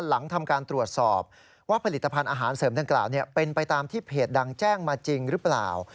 หลังทำการตรวจสอบว่าผลิตภัณฑ์อาหารเสริมดังกล่าวเป็นไปตามที่เพจดังแจ้งมาจริงหรือเปล่า